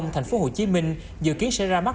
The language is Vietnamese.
tp hcm dự kiến sẽ ra mắt